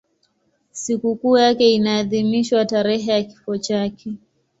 Sikukuu yake inaadhimishwa tarehe ya kifo chake.